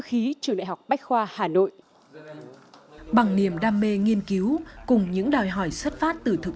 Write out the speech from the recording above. khí trường đại học bách khoa hà nội bằng niềm đam mê nghiên cứu cùng những đòi hỏi xuất phát từ thực